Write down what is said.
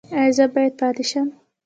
ایا زه باید پاتې شم؟